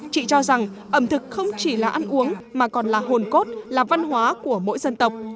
chị cho rằng ẩm thực không chỉ là ăn uống mà còn là hồn cốt là văn hóa của mỗi dân tộc